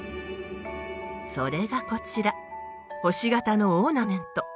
それがこちら星型のオーナメント。